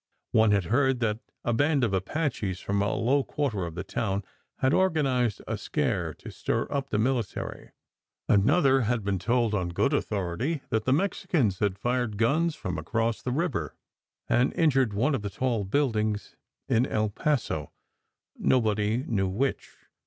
One had heard that a band of Apaches from a low quarter of the town had organized a scare to stir up the military. An other had been told on good authority that the Mexicans had fired guns from across the river and injured one of the tall buildings in El Paso, nobody knew which.